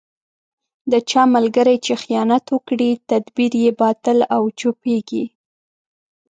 د چا ملګری چې خیانت وکړي، تدبیر یې باطل او پوچېـږي.